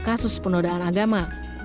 kasus penodaan agama